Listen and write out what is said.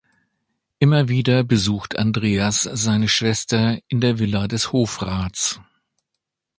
Immer wieder besucht Andreas seine Schwester in der Villa des Hofrats.